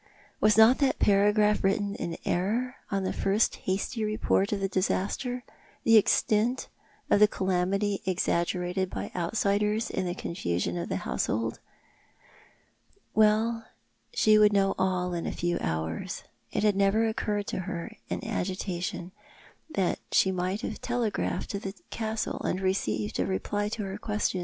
Was not that paragraph written m error, on the first hasty report of the disaster, the extent of the calamity exaggerated by outsiders in the confusion of the household? Well, she would know all in a few hours. It had never occurred to her in her agitation that she might have telegraphed to the Castle, and received a reply to her question.